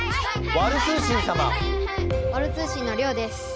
ワル通信のりょうです。